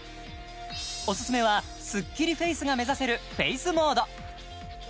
オススメはスッキリフェイスが目指せるフェイスモード